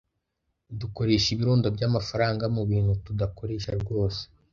Dukoresha ibirundo byamafaranga mubintu tudakoresha rwose.